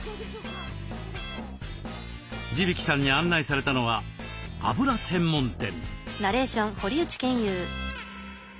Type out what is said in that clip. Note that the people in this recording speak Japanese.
地曳さんに案内されたのはあぶら専門店。